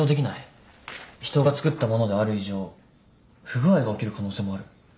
人が作ったものである以上不具合が起きる可能性もある。